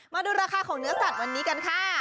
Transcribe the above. มาดูราคาของเนื้อสัตว์วันนี้กันค่ะ